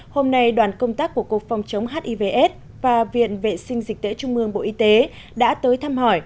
hôm nay đoàn công tác của cục phòng chống hiv s và viện vệ sinh dịch tễ trung ương bộ y tế đã tới thăm hỏi